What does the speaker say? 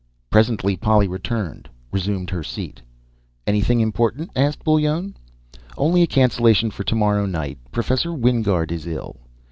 Presently, Polly returned, resumed her seat. "Anything important?" asked Bullone. "Only a cancellation for tomorrow night. Professor Wingard is ill."